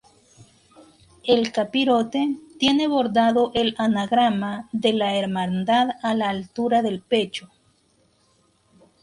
El capirote tiene bordado el anagrama de la Hermandad a la altura del pecho.